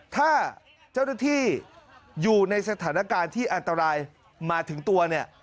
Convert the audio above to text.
ถ้าเจ้าหน้าที่อยู่ในสถานการณ์ที่อันตรายมาถึงตัวเนี่ย